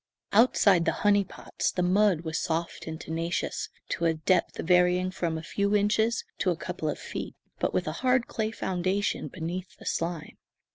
Outside the "honey pots," the mud was soft and tenacious to a depth varying from a few inches to a couple of feet, but with a hard clay foundation beneath the slime.